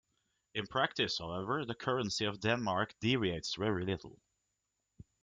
In practice, however, the currency of Denmark deviates very little.